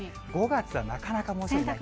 ５月はなかなか、猛暑日ない。